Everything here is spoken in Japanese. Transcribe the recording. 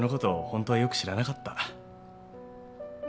ホントはよく知らなかった。